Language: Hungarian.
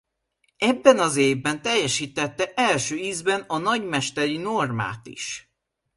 Ebben az évben teljesítette első ízben a nagymesteri normát is.